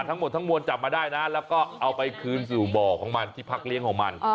ทั้งหมดทั้งมวลจับมาได้นะแล้วก็เอาไปคืนสู่บ่อของมันที่พักเลี้ยงของมัน